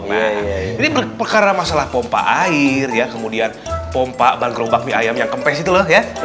nah ini karena masalah pompa air ya kemudian pompa ban kerobak mie ayam yang kempes itu loh ya